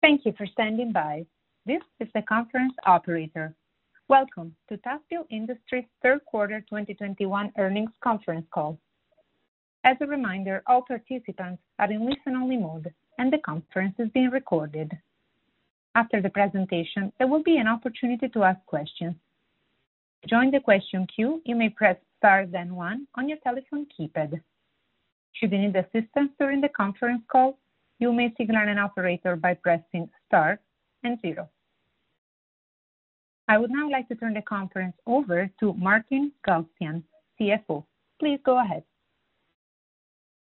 Thank you for standing by. This is the conference operator. Welcome to ToughBuilt Industries Third Quarter 2021 Earnings Conference Call. As a reminder, all participants are in listen-only mode and the conference is being recorded. After the presentation, there will be an opportunity to ask questions. To join the question queue, you may press Star then one on your telephone keypad. Should you need assistance during the conference call, you may signal an operator by pressing Star and zero. I would now like to turn the conference over to Martin Galstyan, CFO. Please go ahead.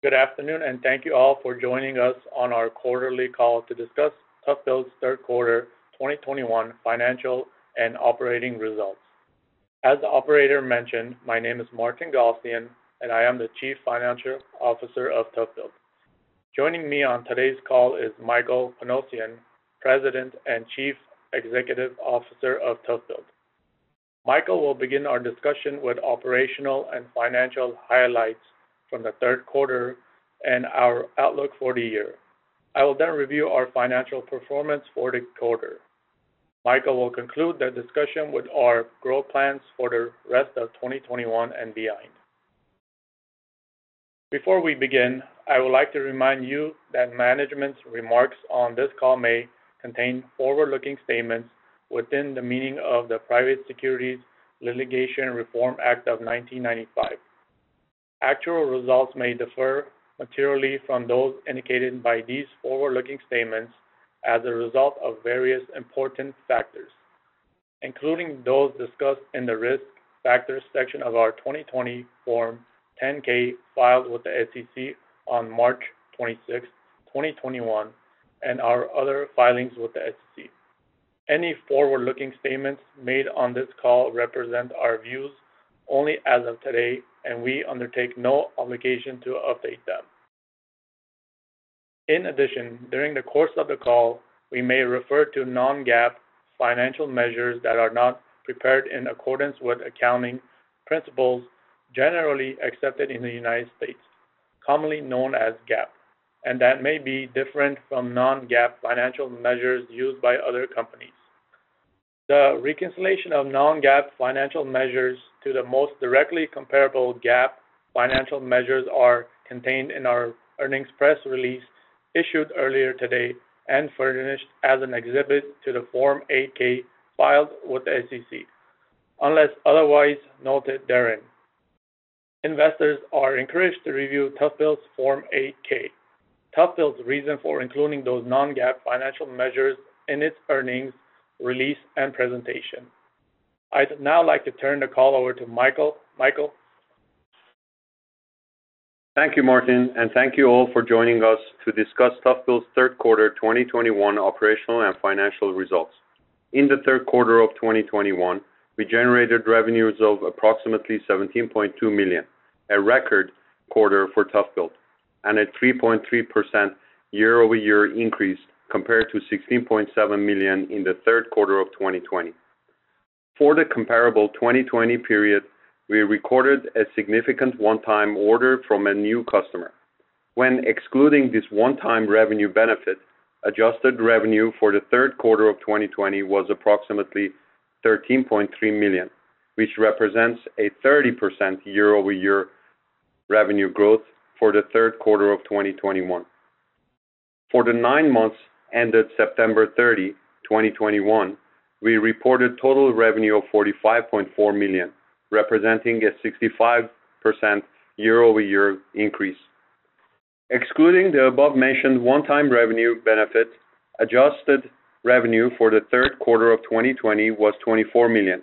Good afternoon, and thank you all for joining us on our quarterly call to discuss ToughBuilt's third quarter 2021 financial and operating results. As the operator mentioned, my name is Martin Galstyan, and I am the Chief Financial Officer of ToughBuilt. Joining me on today's call is Michael Panosian, President and Chief Executive Officer of ToughBuilt. Michael will begin our discussion with operational and financial highlights from the third quarter and our outlook for the year. I will then review our financial performance for the quarter. Michael will conclude the discussion with our growth plans for the rest of 2021 and beyond. Before we begin, I would like to remind you that management's remarks on this call may contain forward-looking statements within the meaning of the Private Securities Litigation Reform Act of 1995. Actual results may differ materially from those indicated by these forward-looking statements as a result of various important factors, including those discussed in the Risk Factors section of our 2020 Form 10-K filed with the SEC on March 26, 2021, and our other filings with the SEC. Any forward-looking statements made on this call represent our views only as of today, and we undertake no obligation to update them. In addition, during the course of the call, we may refer to non-GAAP financial measures that are not prepared in accordance with accounting principles generally accepted in the United States, commonly known as GAAP, and that may be different from non-GAAP financial measures used by other companies. The reconciliation of non-GAAP financial measures to the most directly comparable GAAP financial measures are contained in our earnings press release issued earlier today and furnished as an exhibit to the Form 8-K filed with the SEC, unless otherwise noted therein. Investors are encouraged to review ToughBuilt's Form 8-K, ToughBuilt's reason for including those non-GAAP financial measures in its earnings release and presentation. I'd now like to turn the call over to Michael. Michael? Thank you, Martin, and thank you all for joining us to discuss ToughBuilt's third quarter 2021 operational and financial results. In the third quarter of 2021, we generated revenues of approximately $17.2 million, a record quarter for ToughBuilt, and a 3.3% year-over-year increase compared to $16.7 million in the third quarter of 2020. For the comparable 2020 period, we recorded a significant one-time order from a new customer. When excluding this one-time revenue benefit, adjusted revenue for the third quarter of 2020 was approximately $13.3 million, which represents a 30% year-over-year revenue growth for the third quarter of 2021. For the nine months ended September 30, 2021, we reported total revenue of $45.4 million, representing a 65% year-over-year increase. Excluding the above-mentioned one-time revenue benefit, adjusted revenue for the third quarter of 2020 was $24 million,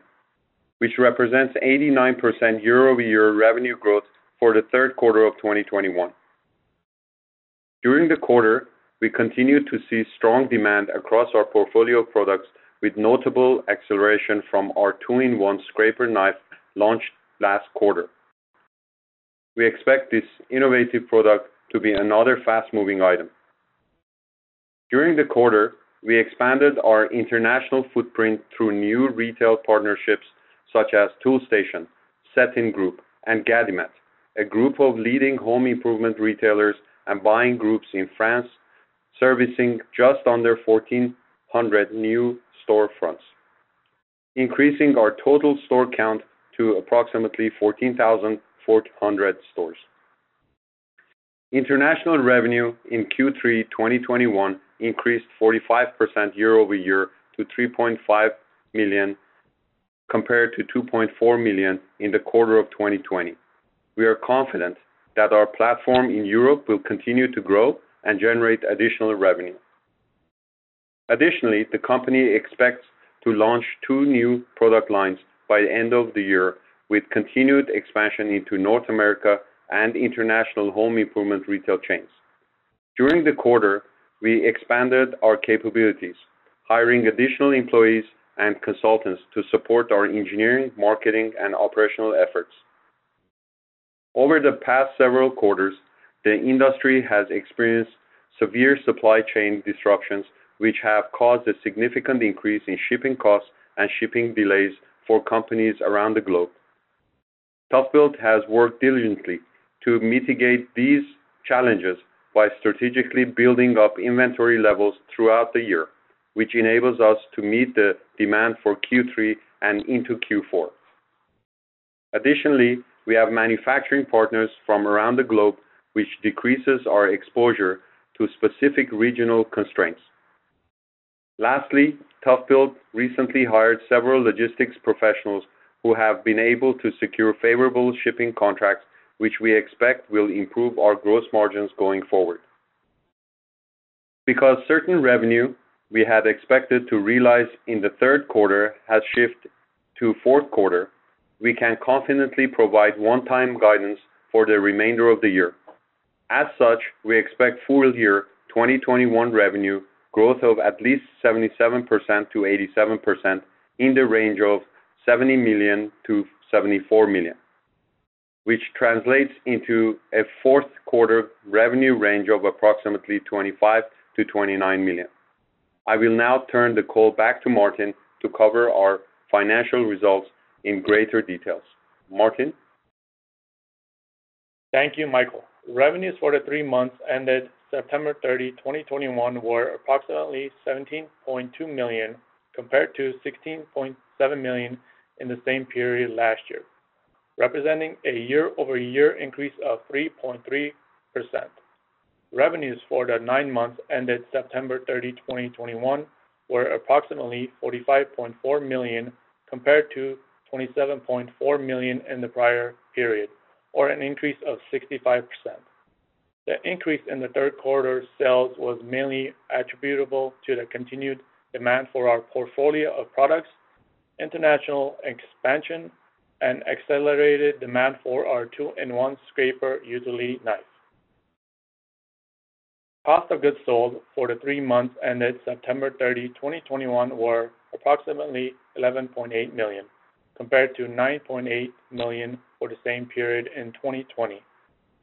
which represents 89% year-over-year revenue growth for the third quarter of 2021. During the quarter, we continued to see strong demand across our portfolio of products with notable acceleration from our two-in-one scraper knife launched last quarter. We expect this innovative product to be another fast-moving item. During the quarter, we expanded our international footprint through new retail partnerships such as Toolstation, Groupe SETIN, and Gedimat, a group of leading home improvement retailers and buying groups in France, servicing just under 1,400 new storefronts, increasing our total store count to approximately 14,400 stores. International revenue in Q3 2021 increased 45% year-over-year to $3.5 million, compared to $2.4 million in the quarter of 2020. We are confident that our platform in Europe will continue to grow and generate additional revenue. Additionally, the company expects to launch two new product lines by end of the year with continued expansion into North America and international home improvement retail chains. During the quarter, we expanded our capabilities, hiring additional employees and consultants to support our engineering, marketing, and operational efforts. Over the past several quarters, the industry has experienced severe supply chain disruptions, which have caused a significant increase in shipping costs and shipping delays for companies around the globe. ToughBuilt has worked diligently to mitigate these challenges by strategically building up inventory levels throughout the year, which enables us to meet the demand for Q3 and into Q4. Additionally, we have manufacturing partners from around the globe, which decreases our exposure to specific regional constraints. Lastly, ToughBuilt recently hired several logistics professionals who have been able to secure favorable shipping contracts, which we expect will improve our gross margins going forward. Because certain revenue we had expected to realize in the third quarter has shifted to fourth quarter, we can confidently provide one-time guidance for the remainder of the year. As such, we expect full-year 2021 revenue growth of at least 77%-87% in the range of $70 million-$74 million, which translates into a fourth quarter revenue range of approximately $25 million-$29 million. I will now turn the call back to Martin to cover our financial results in greater details. Martin. Thank you, Michael. Revenues for the three months ended September 30, 2021 were approximately $17.2 million compared to $16.7 million in the same period last year, representing a year-over-year increase of 3.3%. Revenues for the nine months ended September 30, 2021 were approximately $45.4 million compared to $27.4 million in the prior period, or an increase of 65%. The increase in the third quarter sales was mainly attributable to the continued demand for our portfolio of products, international expansion, and accelerated demand for our two-in-one Scraper Utility Knife. Cost of goods sold for the three months ended September 30, 2021 were approximately $11.8 million, compared to $9.8 million for the same period in 2020.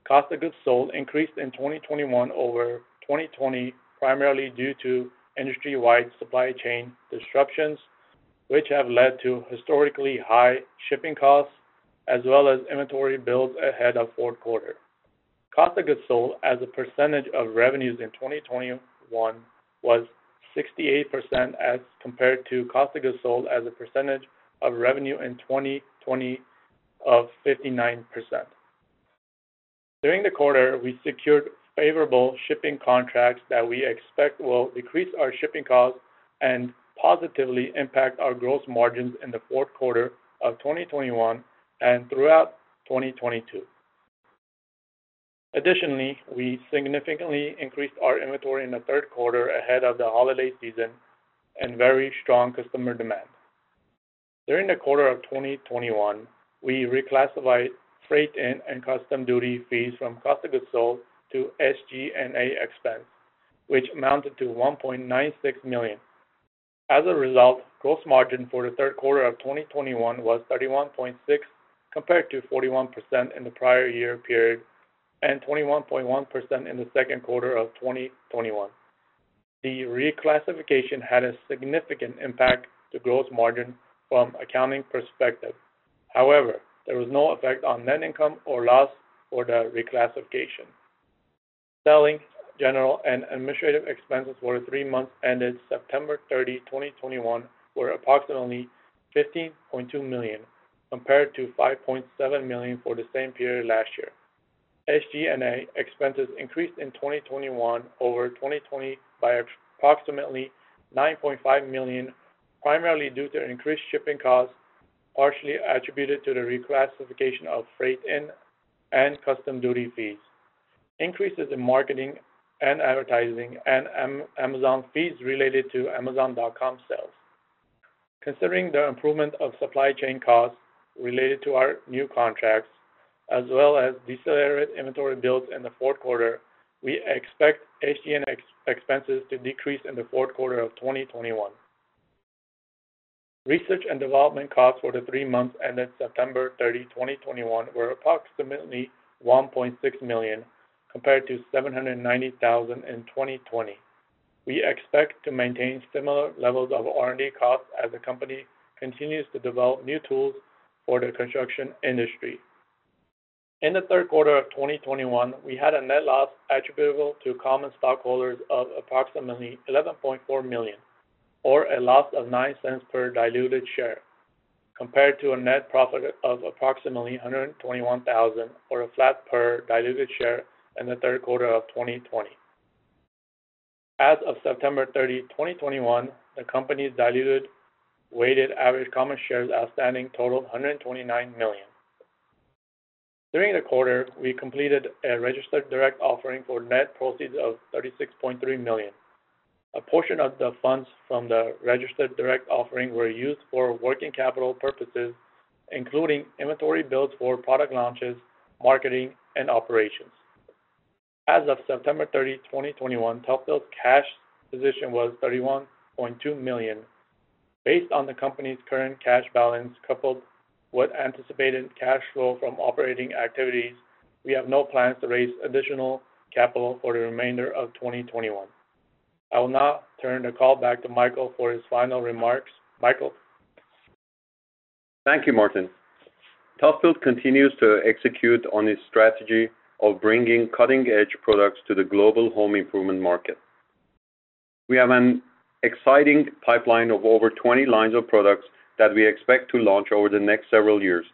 Cost of goods sold increased in 2021 over 2020 primarily due to industry-wide supply chain disruptions, which have led to historically high shipping costs as well as inventory builds ahead of fourth quarter. Cost of goods sold as a percentage of revenues in 2021 was 68% as compared to cost of goods sold as a percentage of revenue in 2020 of 59%. During the quarter, we secured favorable shipping contracts that we expect will decrease our shipping costs and positively impact our gross margins in the fourth quarter of 2021 and throughout 2022. Additionally, we significantly increased our inventory in the third quarter ahead of the holiday season and very strong customer demand. During the quarter of 2021, we reclassified freight and customs duty fees from cost of goods sold to SG&A expense, which amounted to $1.96 million. As a result, gross margin for the third quarter of 2021 was 31.6%, compared to 41% in the prior year period and 21.1% in the second quarter of 2021. The reclassification had a significant impact to gross margin from accounting perspective. However, there was no effect on net income or loss for the reclassification. Selling, general, and administrative expenses for the three months ended September 30, 2021 were approximately $15.2 million, compared to $5.7 million for the same period last year. SG&A expenses increased in 2021 over 2020 by approximately $9.5 million, primarily due to increased shipping costs, partially attributed to the reclassification of freight-in and customs duty fees, increases in marketing and advertising, and Amazon fees related to amazon.com sales. Considering the improvement of supply chain costs related to our new contracts, as well as decelerate inventory builds in the fourth quarter, we expect SG&A expenses to decrease in the fourth quarter of 2021. Research and development costs for the three months ended September 30, 2021 were approximately $1.6 million, compared to $790,000 in 2020. We expect to maintain similar levels of R&D costs as the company continues to develop new tools for the construction industry. In the third quarter of 2021, we had a net loss attributable to common stockholders of approximately $11.4 million, or a loss of $0.09 per diluted share, compared to a net profit of approximately $121,000 or $0.00 per diluted share in the third quarter of 2020. As of September 30, 2021, the company's diluted weighted average common shares outstanding totaled 129 million. During the quarter, we completed a registered direct offering for net proceeds of $36.3 million. A portion of the funds from the registered direct offering were used for working capital purposes, including inventory builds for product launches, marketing, and operations. As of September 30, 2021, ToughBuilt's cash position was $31.2 million. Based on the company's current cash balance coupled with anticipated cash flow from operating activities, we have no plans to raise additional capital for the remainder of 2021. I will now turn the call back to Michael for his final remarks. Michael? Thank you, Martin. ToughBuilt continues to execute on its strategy of bringing cutting-edge products to the global home improvement market. We have an exciting pipeline of over 20 lines of products that we expect to launch over the next several years.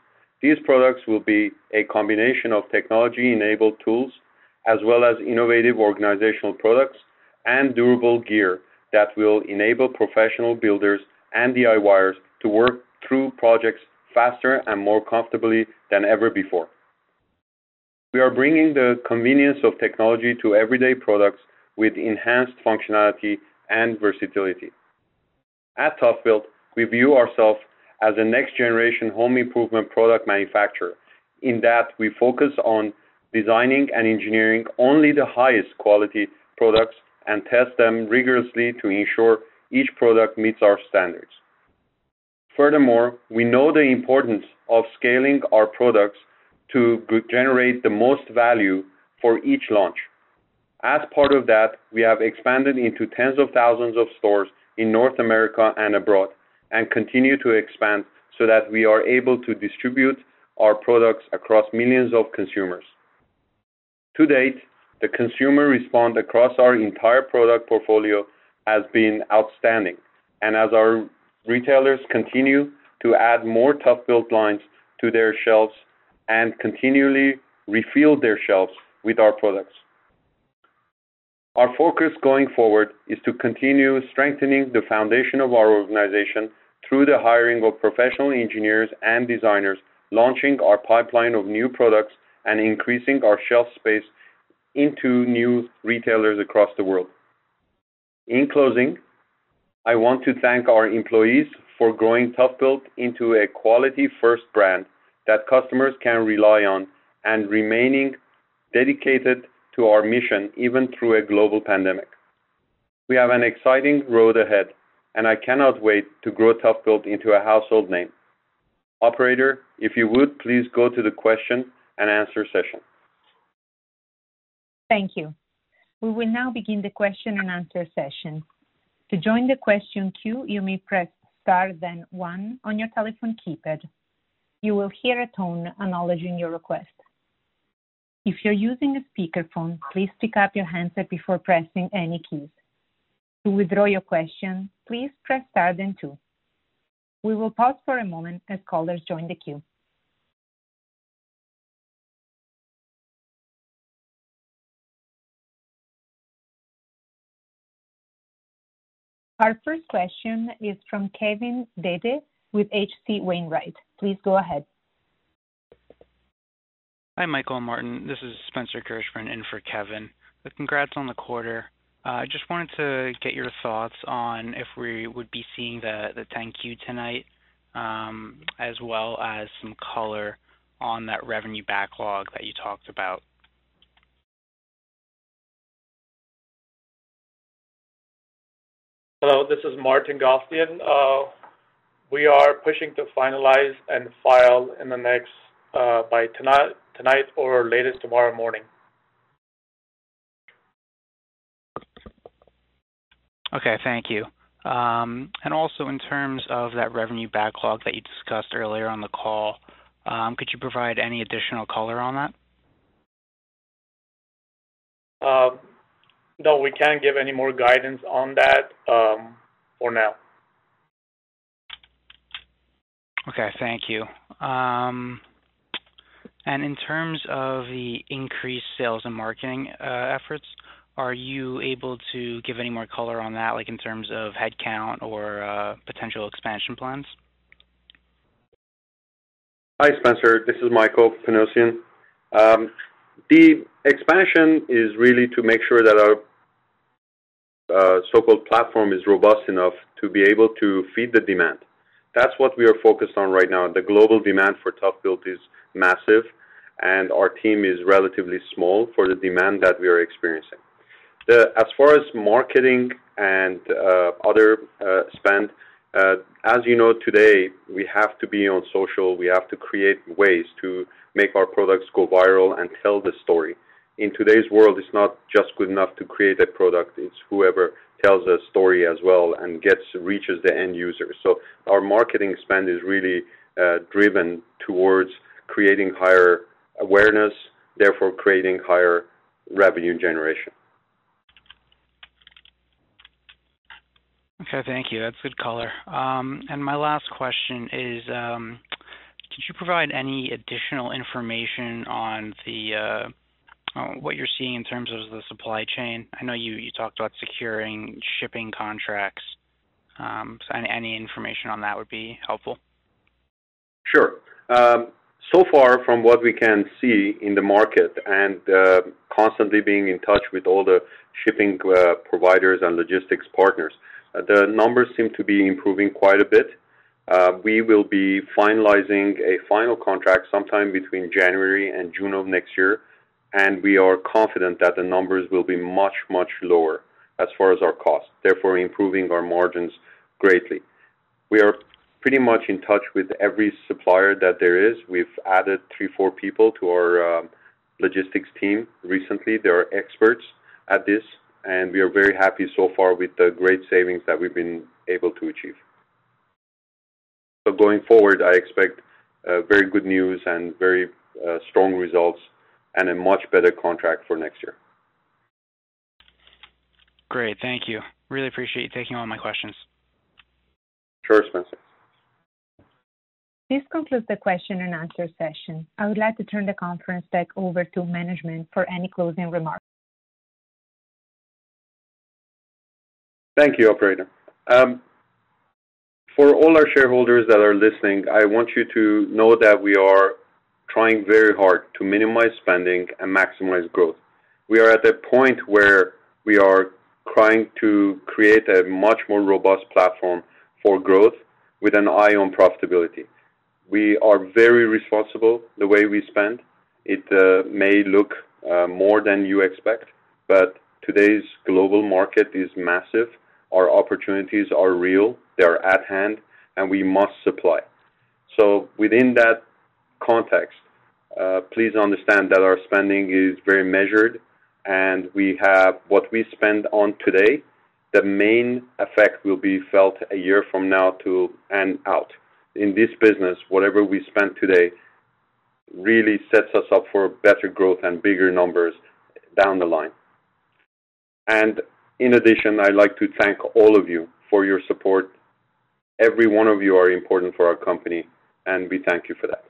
These products will be a combination of technology-enabled tools as well as innovative organizational products and durable gear that will enable professional builders and DIYers to work through projects faster and more comfortably than ever before. We are bringing the convenience of technology to everyday products with enhanced functionality and versatility. At ToughBuilt, we view ourselves as a next-generation home improvement product manufacturer. In that, we focus on designing and engineering only the highest quality products and test them rigorously to ensure each product meets our standards. Furthermore, we know the importance of scaling our products to generate the most value for each launch. As part of that, we have expanded into tens of thousands of stores in North America and abroad and continue to expand so that we are able to distribute our products across millions of consumers. To date, the consumer response across our entire product portfolio has been outstanding, and as our retailers continue to add more ToughBuilt lines to their shelves and continually refill their shelves with our products. Our focus going forward is to continue strengthening the foundation of our organization through the hiring of professional engineers and designers, launching our pipeline of new products, and increasing our shelf space into new retailers across the world. In closing, I want to thank our employees for growing ToughBuilt into a quality first brand that customers can rely on and remaining dedicated to our mission even through a global pandemic. We have an exciting road ahead and I cannot wait to grow ToughBuilt into a household name. Operator, if you would, please go to the question and answer session. Thank you. We will now begin the question and answer session. To join the question queue, you may press Star then one on your telephone keypad. You will hear a tone acknowledging your request. If you're using a speakerphone, please pick up your handset before pressing any keys. To withdraw your question, please press Star then two. We will pause for a moment as callers join the queue. Our first question is from Kevin Dede with H.C. Wainwright. Please go ahead. Hi, Michael and Martin. This is Spencer Kirschman in for Kevin. Congrats on the quarter. I just wanted to get your thoughts on if we would be seeing the Form 10-Q tonight, as well as some color on that revenue backlog that you talked about. Hello, this is Martin Galstyan. We are pushing to finalize and file by tonight or at the latest tomorrow morning. Okay, thank you. Also in terms of that revenue backlog that you discussed earlier on the call, could you provide any additional color on that? No, we can't give any more guidance on that, for now. Okay, thank you. And in terms of the increased sales and marketing efforts, are you able to give any more color on that, like in terms of headcount or potential expansion plans? Hi, Spencer. This is Michael Panosian. The expansion is really to make sure that our so-called platform is robust enough to be able to feed the demand. That's what we are focused on right now. The global demand for ToughBuilt is massive, and our team is relatively small for the demand that we are experiencing. As far as marketing and other spend, as you know, today, we have to be on social. We have to create ways to make our products go viral and tell the story. In today's world, it's not just good enough to create a product, it's whoever tells a story as well and reaches the end user. Our marketing spend is really driven towards creating higher awareness, therefore creating higher revenue generation. Okay, thank you. That's good color. My last question is, could you provide any additional information on what you're seeing in terms of the supply chain? I know you talked about securing shipping contracts. Any information on that would be helpful. Sure. So far from what we can see in the market and constantly being in touch with all the shipping providers and logistics partners, the numbers seem to be improving quite a bit. We will be finalizing a final contract sometime between January and June of next year, and we are confident that the numbers will be much, much lower as far as our cost, therefore improving our margins greatly. We are pretty much in touch with every supplier that there is. We've added 3, 4 people to our logistics team recently. They are experts at this, and we are very happy so far with the great savings that we've been able to achieve. Going forward, I expect very good news and very strong results and a much better contract for next year. Great. Thank you. Really appreciate you taking all my questions. Sure, Spencer. This concludes the question and answer session. I would like to turn the conference back over to management for any closing remarks. Thank you, operator. For all our shareholders that are listening, I want you to know that we are trying very hard to minimize spending and maximize growth. We are at a point where we are trying to create a much more robust platform for growth with an eye on profitability. We are very responsible in the way we spend. It may look more than you expect, but today's global market is massive. Our opportunities are real, they're at hand, and we must supply. Within that context, please understand that our spending is very measured, and we have what we spend on today, the main effect will be felt a year from now to and out. In this business, whatever we spend today really sets us up for better growth and bigger numbers down the line. In addition, I'd like to thank all of you for your support. Every one of you are important for our company, and we thank you for that.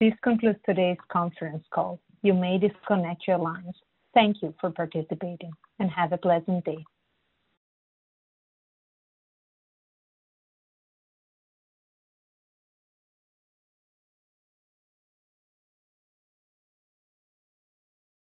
This concludes today's conference call. You may disconnect your lines. Thank you for participating, and have a pleasant day.